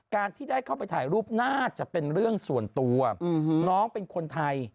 การที่ได้เข้าไปถ่ายรูปน่าจะเป็นเรื่องส่วนตัวน้องเป็นคนไทย